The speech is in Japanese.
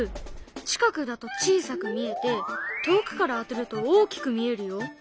近くだと小さく見えて遠くから当てると大きく見えるよ。